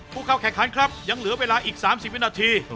ผู้เข้าแข่งขันครับยังเหลือเวลาอีก๓๐วินาที